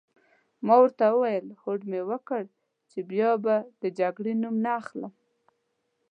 ما ورته وویل: هوډ مي وکړ چي بیا به د جګړې نوم نه اخلم.